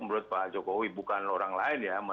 menurut pak jokowi bukan orang lain ya